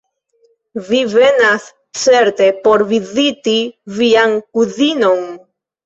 Vi venas certe por viziti vian kuzinon?